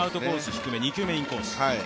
低め、２球目インコース。